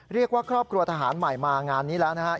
เรียกว่าครอบครัวทหารใหม่มางานนี้แล้วนะครับ